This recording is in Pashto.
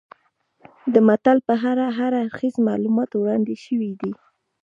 د متل په اړه هر اړخیز معلومات وړاندې شوي دي